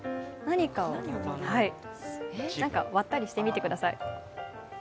何か割ったりしてみてください。